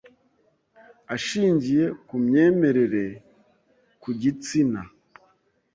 ashingiye ku myemerere, ku gitsina,